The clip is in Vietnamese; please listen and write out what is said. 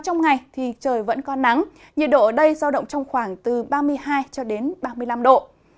nhiệt độ ở đây giao động trong khoảng từ ba mươi hai ba mươi năm độ